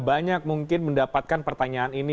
banyak mungkin mendapatkan pertanyaan ini